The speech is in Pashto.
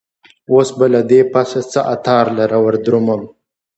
اوس به له دې پسه څه عطار لره وردرومم